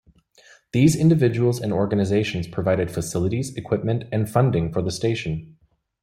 These individuals and organizations provided facilities, equipment, and funding for the station.